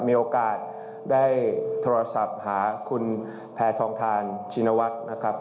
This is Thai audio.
มีโอกาสได้โทรศัพท์หาคุณแพทองทานชินวัฒน์นะครับ